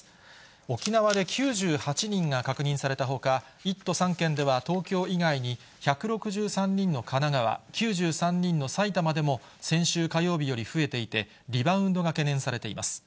沖縄で９８人が確認されたほか、１都３県では東京以外に、１６３人の神奈川、９３人の埼玉でも、先週火曜日より増えていて、リバウンドが懸念されています。